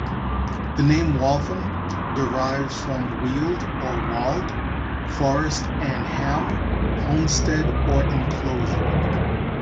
The name Waltham derives from "weald" or "wald" "forest" and "ham" "homestead" or "enclosure".